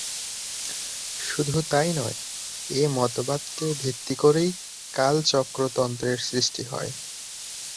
শুধু তাই নয়, এ মতবাদকে ভিত্তি করেই কালচক্রতন্ত্রের সৃষ্টি হয়।